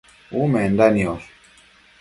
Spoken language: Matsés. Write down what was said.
Umenda niosh